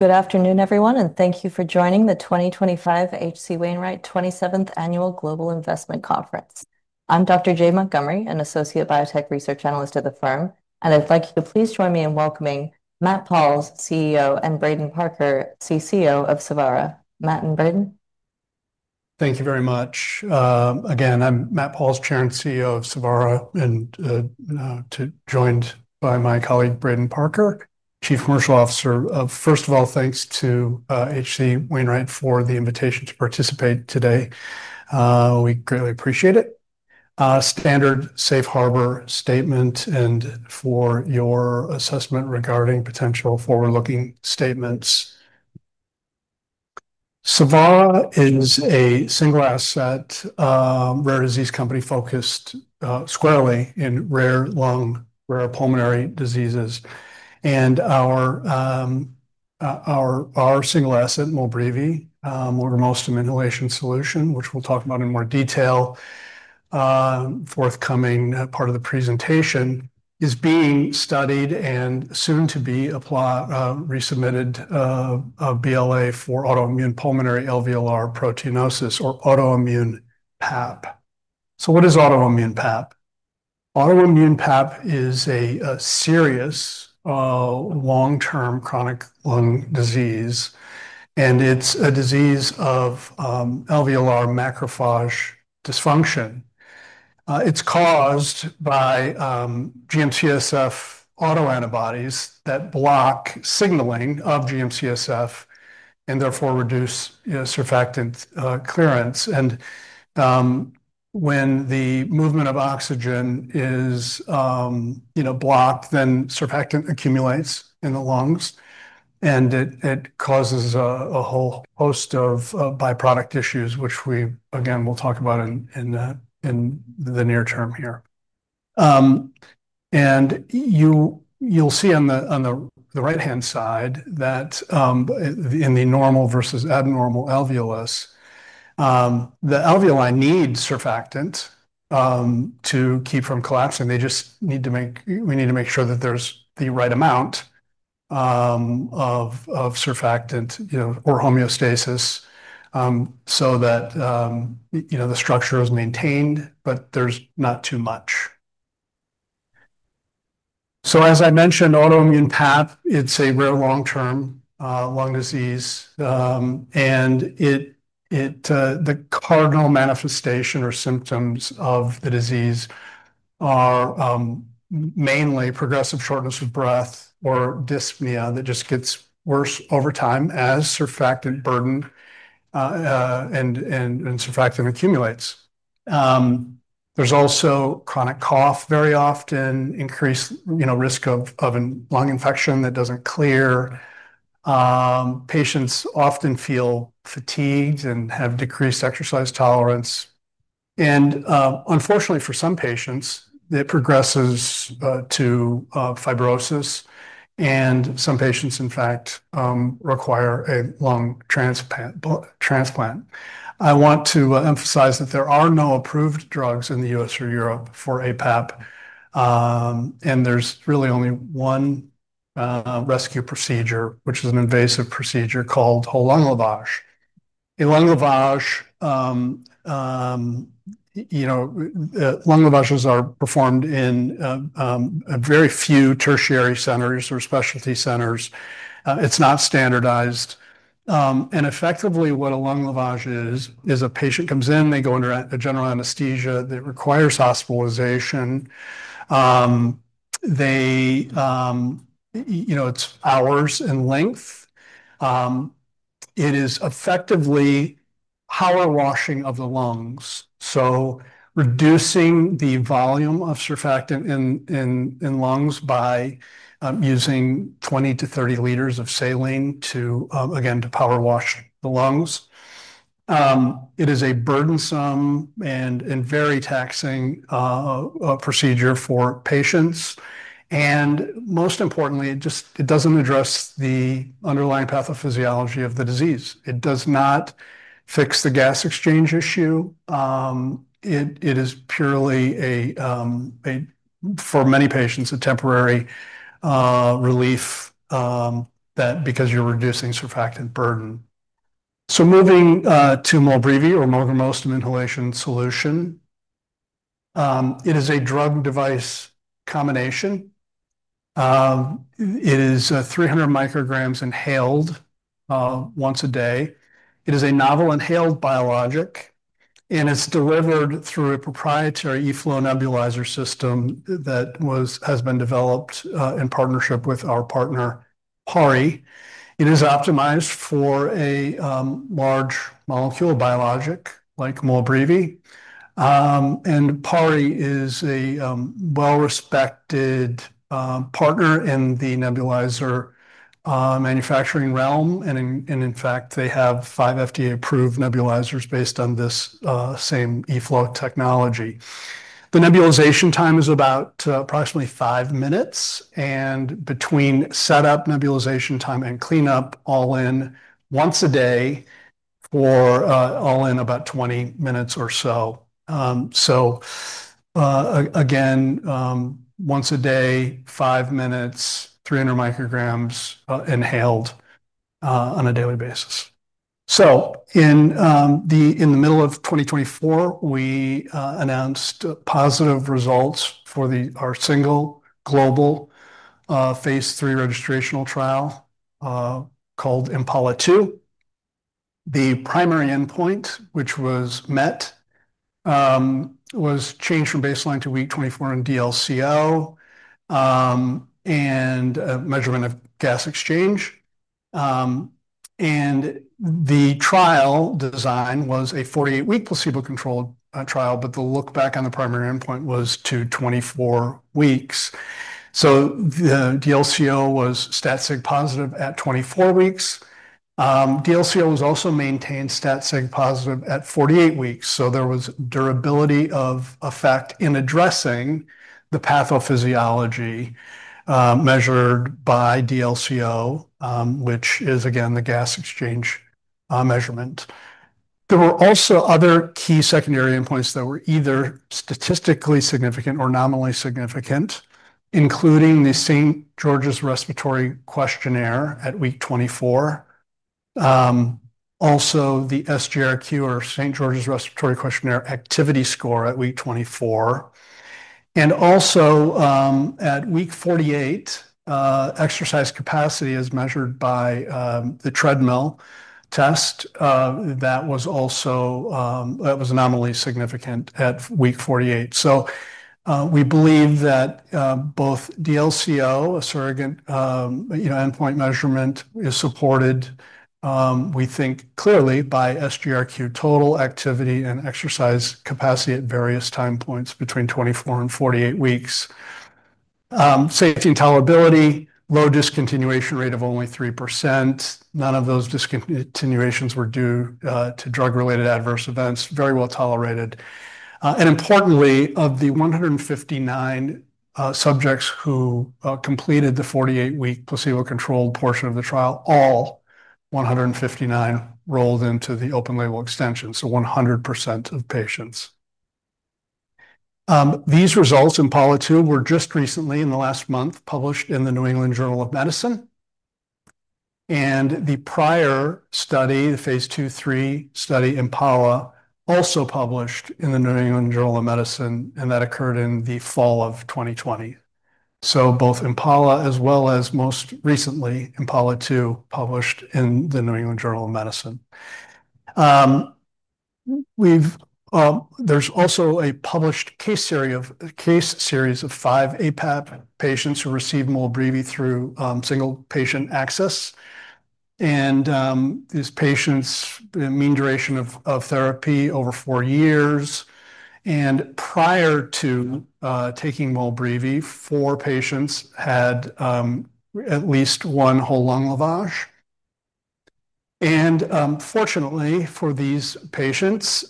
Good afternoon, everyone, and thank you for joining the 2025 HC Wainwright 27th Annual Global Investment Conference. I'm Dr. Jay Montgomery, an Associate Biotech Research Analyst at the firm, and I'd like you to please join me in welcoming Matt Pauls, CEO, and Braden Parker, CCO of Savara. Matt and Braden? Thank you very much. Again, I'm Matt Pauls, Chair and CEO of Savara, and now joined by my colleague Braden Parker, Chief Commercial Officer. First of all, thanks to HC Wainwright for the invitation to participate today. We greatly appreciate it. Standard Safe Harbor statement and for your assessment regarding potential forward-looking statements. Savara is a single-asset rare disease company focused squarely in rare lung, rare pulmonary diseases. Our single asset, Mobrevi, or morgamostim inhalation solution, which we'll talk about in more detail, forthcoming part of the presentation, is being studied and soon to be resubmitted a BLA for autoimmune pulmonary alveolar proteinosis or autoimmune PAP. What is autoimmune PAP? Autoimmune PAP is a serious long-term chronic lung disease, and it's a disease of alveolar macrophage dysfunction. It's caused by GMCSF autoantibodies that block signaling of GMCSF and therefore reduce surfactant clearance. When the movement of oxygen is blocked, surfactant accumulates in the lungs, and it causes a whole host of byproduct issues, which we again will talk about in the near term here. You'll see on the right-hand side that in the normal versus abnormal alveolus, the alveoli need surfactant to keep from collapsing. They just need to make, we need to make sure that there's the right amount of surfactant or homeostasis so that the structure is maintained, but there's not too much. As I mentioned, autoimmune PAP, it's a rare long-term lung disease, and the cardinal manifestation or symptoms of the disease are mainly progressive shortness of breath or dyspnea that just gets worse over time as surfactant burden and surfactant accumulates. There's also chronic cough, very often increased risk of lung infection that doesn't clear. Patients often feel fatigued and have decreased exercise tolerance. Unfortunately for some patients, it progresses to fibrosis, and some patients, in fact, require a lung transplant. I want to emphasize that there are no approved drugs in the U.S. or Europe for autoimmune PAP, and there's really only one rescue procedure, which is an invasive procedure called whole lung lavage. Lung lavage is performed in very few tertiary centers or specialty centers. It's not standardized. Effectively, what a lung lavage is, is a patient comes in, they go under general anesthesia, it requires hospitalization. It's hours in length. It is effectively power washing of the lungs. Reducing the volume of surfactant in lungs by using 20 to 30 liters of saline to, again, power wash the lungs is a burdensome and very taxing procedure for patients. Most importantly, it doesn't address the underlying pathophysiology of the disease. It does not fix the gas exchange issue. It is purely, for many patients, a temporary relief because you're reducing surfactant burden. Moving to Mobrevi, or morgamostim inhalation solution, it is a drug-device combination. It is 300 micrograms inhaled once a day. It is a novel inhaled biologic, and it's delivered through a proprietary eFlow nebulizer system that has been developed in partnership with our partner, PARI. It is optimized for a large molecule biologic like Mobrevi. PARI is a well-respected partner in the nebulizer manufacturing realm. In fact, they have five FDA-approved nebulizers based on this same eFlow technology. The nebulization time is approximately five minutes, and between setup, nebulization time, and cleanup, all in about 20 minutes or so once a day. Once a day, five minutes, 300 micrograms inhaled on a daily basis. In the middle of 2024, we announced positive results for our single global phase 3 registrational trial called Impala 2. The primary endpoint, which was met, was change from baseline to week 24 in DLCO and measurement of gas exchange. The trial design was a 48-week placebo-controlled trial, but the look back on the primary endpoint was to 24 weeks. The DLCO was statistically positive at 24 weeks. DLCO was also maintained statistically positive at 48 weeks. There was durability of effect in addressing the pathophysiology measured by DLCO, which is the gas exchange measurement. There were also other key secondary endpoints that were either statistically significant or nominally significant, including the St. George’s Respiratory Questionnaire at week 24. Also, the SGRQ or St. George’s Respiratory Questionnaire activity score at week 24. At week 48, exercise capacity as measured by the treadmill test was also nominally significant. We believe that both DLCO, a surrogate endpoint measurement, is supported, we think clearly, by SGRQ total activity and exercise capacity at various time points between 24 and 48 weeks. Safety and tolerability, low discontinuation rate of only 3%. None of those discontinuations were due to drug-related adverse events, very well tolerated. Importantly, of the 159 subjects who completed the 48-week placebo-controlled portion of the trial, all 159 rolled into the open-label extension, so 100% of patients. These results, Impala 2, were just recently, in the last month, published in the New England Journal of Medicine. The prior study, the phase 2-3 study, Impala, was also published in the New England Journal of Medicine, and that occurred in the fall of 2020. Both Impala, as well as most recently, Impala 2, were published in the New England Journal of Medicine. There is also a published case series of five APAP patients who received Mobrevi through single-patient access. These patients had a mean duration of therapy over four years, and prior to taking Mobrevi, four patients had at least one whole lung lavage. Fortunately for these patients,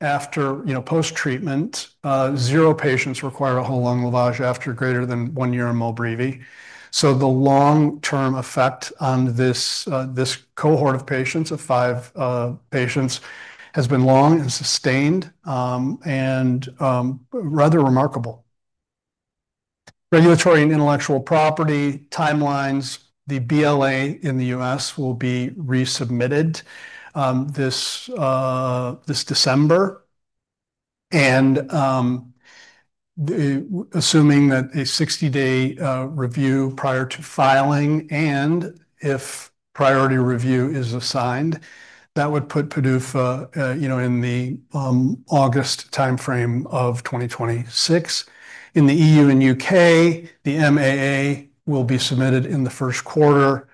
after post-treatment, zero patients required a whole lung lavage after greater than one year of Mobrevi. The long-term effect on this cohort of five patients has been long and sustained and rather remarkable. Regulatory and intellectual property timelines: the BLA in the U.S. will be resubmitted this December. Assuming a 60-day review prior to filing and if priority review is assigned, that would put PDUFA in the August timeframe of 2026. In the EU and UK, the MAA will be submitted in the first quarter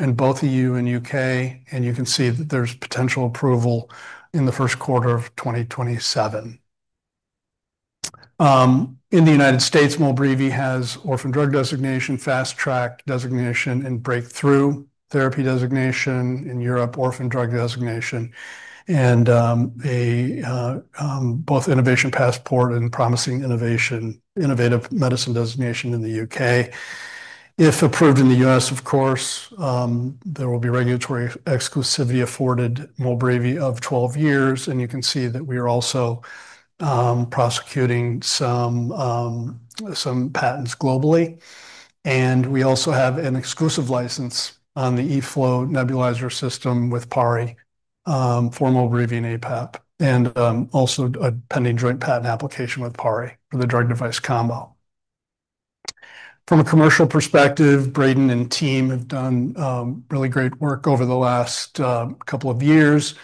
in both the EU and UK, and there is potential approval in the first quarter of 2027. In the United States, Mobrevi has orphan drug designation, fast track designation, and breakthrough therapy designation. In Europe, orphan drug designation and both innovation passport and promising innovative medicine designation in the UK. If approved in the U.S., there will be regulatory exclusivity afforded Mobrevi of 12 years, and we are also prosecuting some patents globally. There is also an exclusive license on the eFlow nebulizer system with PARI for Mobrevi and APAP, and a pending joint patent application with PARI for the drug-device combo. From a commercial perspective, Braden and team have done really great work over the last couple of years,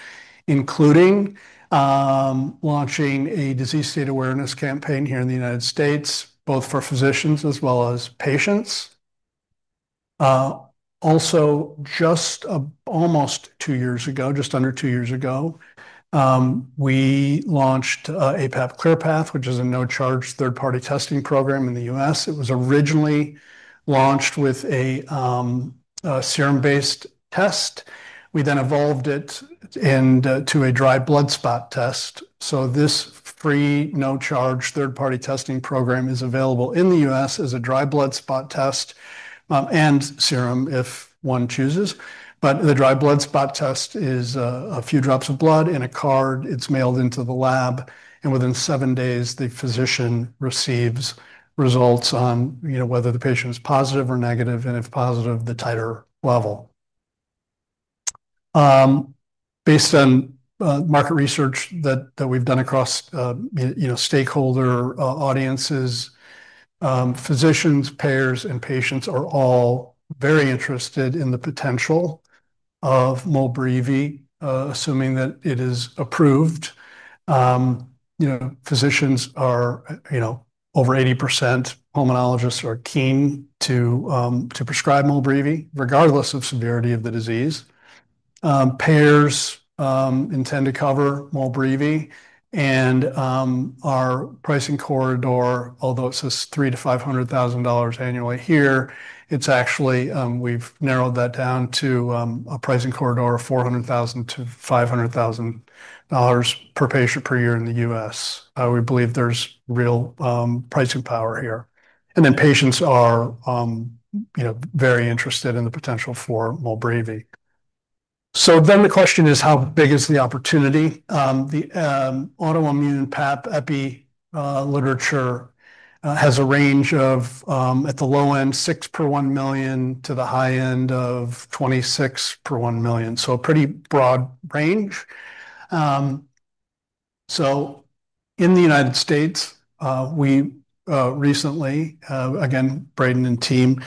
including launching a disease state awareness campaign here in the United States, both for physicians as well as patients. Almost two years ago, just under two years ago, we launched APAP ClearPath, which is a no-charge third-party testing program in the U.S. It was originally launched with a serum-based test. We then evolved it into a dry blood spot test. This free, no-charge third-party testing program is available in the U.S. as a dry blood spot test and serum if one chooses. The dry blood spot test is a few drops of blood in a card. It's mailed into the lab, and within seven days, the physician receives results on whether the patient is positive or negative, and if positive, the titer level. Based on market research that we've done across stakeholder audiences, physicians, payers, and patients are all very interested in the potential of Mobrevi, assuming that it is approved. Physicians are, you know, over 80% pulmonologists are keen to prescribe Mobrevi, regardless of severity of the disease. Payers intend to cover Mobrevi, and our pricing corridor, although it says $3,000 to $500,000 annually here, it's actually, we've narrowed that down to a pricing corridor of $400,000 to $500,000 per patient per year in the U.S. We believe there's real pricing power here. Patients are very interested in the potential for Mobrevi. The question is, how big is the opportunity? The autoimmune PAP/Epi literature has a range of, at the low end, 6 per 1 million to the high end of 26 per 1 million. A pretty broad range. In the United States, we recently, again, Braden and team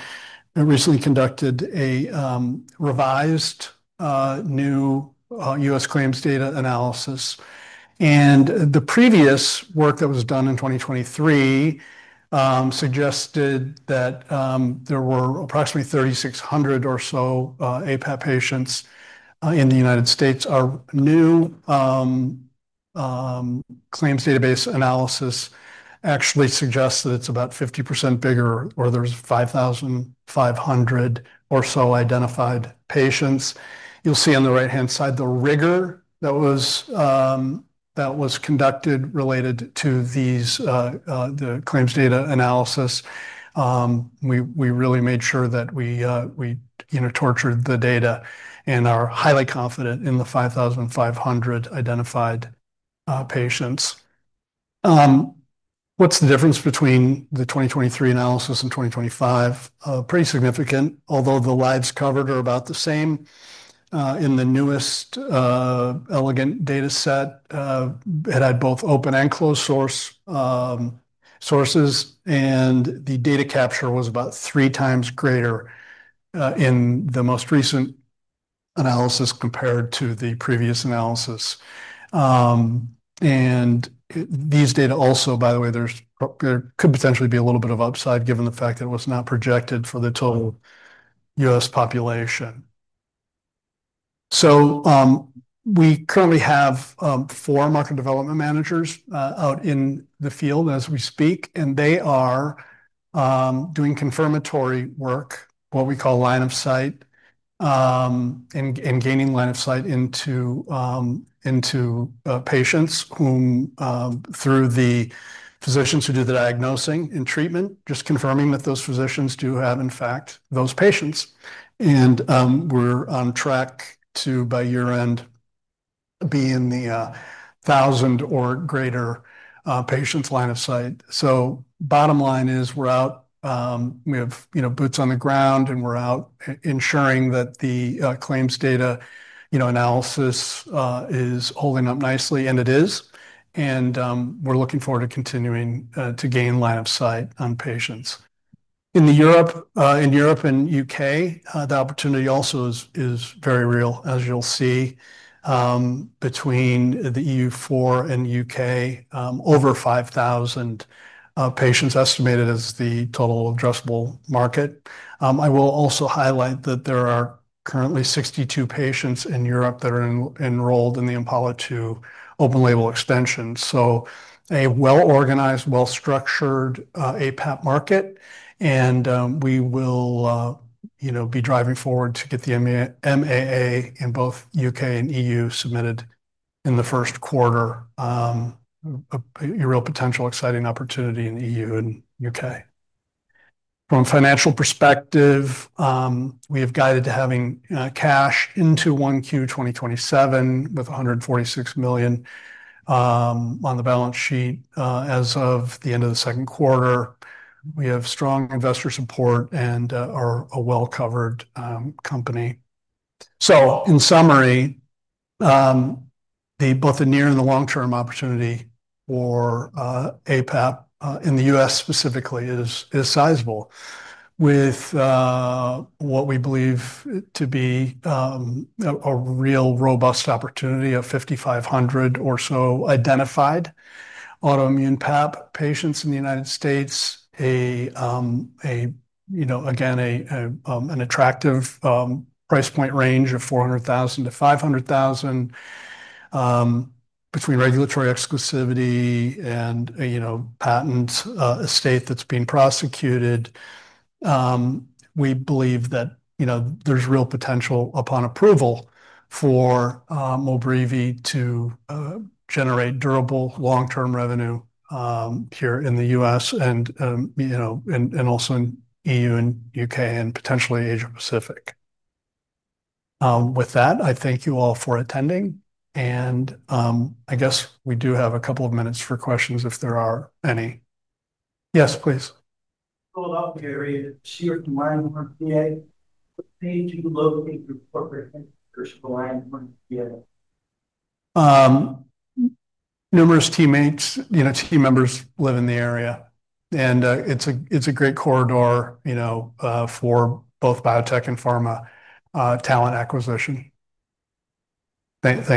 recently conducted a revised new U.S. claims data analysis. The previous work that was done in 2023 suggested that there were approximately 3,600 or so APAP patients in the United States. Our new claims database analysis actually suggests that it's about 50% bigger, or there's 5,500 or so identified patients. You'll see on the right-hand side the rigor that was conducted related to the claims data analysis. We really made sure that we tortured the data and are highly confident in the 5,500 identified patients. What's the difference between the 2023 analysis and 2025? Pretty significant, although the lines covered are about the same. In the newest elegant data set, it had both open and closed sources, and the data capture was about three times greater in the most recent analysis compared to the previous analysis. These data also, by the way, there could potentially be a little bit of upside given the fact that it was not projected for the total U.S. population. We currently have four market development managers out in the field as we speak, and they are doing confirmatory work, what we call line of sight, and gaining line of sight into patients whom, through the physicians who do the diagnosing and treatment, just confirming that those physicians do have, in fact, those patients. We're on track to, by year-end, be in the 1,000 or greater patients' line of sight. Bottom line is we're out, we have boots on the ground, and we're out ensuring that the claims data analysis is holding up nicely, and it is. We're looking forward to continuing to gain line of sight on patients. In Europe and UK, the opportunity also is very real, as you'll see. Between the EU4 and UK, over 5,000 patients estimated as the total addressable market. I will also highlight that there are currently 62 patients in Europe that are enrolled in the Impala 2 open-label extension. A well-organized, well-structured APAP market. We will be driving forward to get the MAA in both UK and EU submitted in the first quarter. A real potential exciting opportunity in the EU and UK. From a financial perspective, we have guided to having cash into Q1 2027 with $146 million on the balance sheet as of the end of the second quarter. We have strong investor support and are a well-covered company. In summary, both the near and the long-term opportunity for APAP in the U.S. specifically is sizable, with what we believe to be a real robust opportunity of 5,500 or so identified autoimmune PAP patients in the United States. Again, an attractive price point range of $400,000 to $500,000 between regulatory exclusivity and a patent estate that's being prosecuted. We believe that there's real potential upon approval for Mobrevi to generate durable long-term revenue here in the U.S. and also in EU and UK and potentially Asia-Pacific. With that, I thank you all for attending. I guess we do have a couple of minutes for questions if there are any. Yes, please. Hold on. I'll get ready. CEO from HC Wainwright PA. Hey, can you elaborate on the corporate reasons for HC Wainwright? Numerous team members live in the area. It's a great corridor for both biotech and pharma talent acquisition. Thanks.